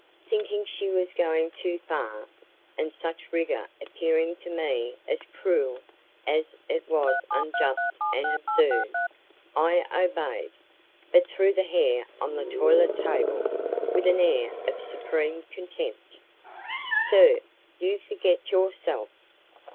Thinking she was going too far, and such rigour appearing to me as cruel as it was unjust and absurd, I obeyed, but threw the hair on the toilet table with an air of supreme contempt. "Sir, you forget yourself."